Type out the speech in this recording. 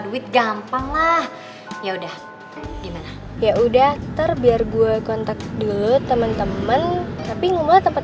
duit gampang lah ya udah gimana ya udah terbiar gua kontak dulu teman teman tapi ngomongnya tempat